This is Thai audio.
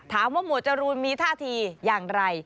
ถามว่าหมวดจรูนมีท่าทีอย่างไร